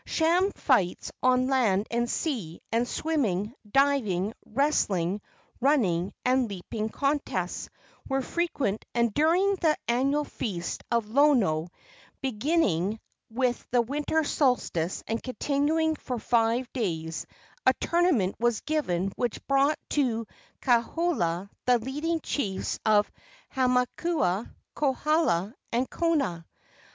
Sham fights on land and sea, and swimming, diving, wrestling, running and leaping contests, were frequent; and during the annual feast of Lono, beginning with the winter solstice and continuing for five days, a tournament was given which brought to Kauhola the leading chiefs of Hamakua, Kohala and Kona.